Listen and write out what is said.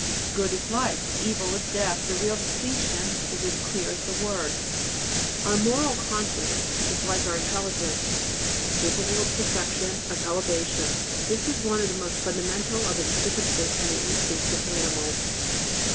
Good is life; evil is death; the real distinction is as clear as the words. Our moral conscience is, like our intelligence, capable of perfection, of elevation; this is one of the most fundamental of its differences from the instincts of animals.